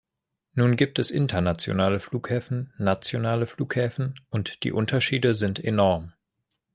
Nun gibt es internationale Flughäfen, nationale Flughäfen, und die Unterschiede sind enorm.